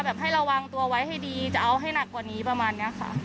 ให้ระวังตัวไว้ให้ดีจะเอาให้หนักกว่านี้ประมาณนี้ค่ะ